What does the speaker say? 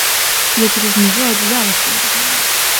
Я через него одеяло свое разорвал.